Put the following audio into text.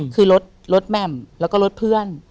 คือรถแหม่มแล้วก็รถเพื่อน